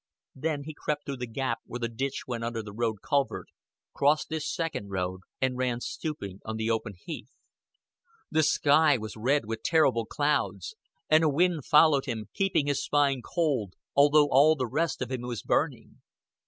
Then he crept through the gap where the ditch went under the road culvert, crossed this second road, and ran stooping on the open heath. The sky was red, with terrible clouds; and a wind followed him, keeping his spine cold, although all the rest of him was burning.